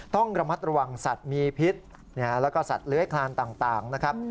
ต้องระมัดระวังสัตว์มีพิษแล้วก็สัตว์เลื้อยคลานต่างนะครับ